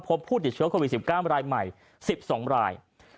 พบผู้ติดเชื้อโควิด๑๙รายใหม่๑๒ราย